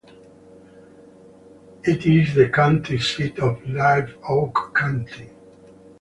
It is the county seat of Live Oak County.